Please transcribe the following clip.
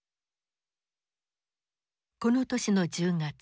この年の１０月。